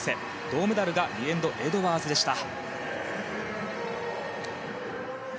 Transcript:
銅メダルがリエンド・エドワーズでした。